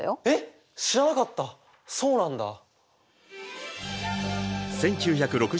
えっ知らなかったそうなんだ。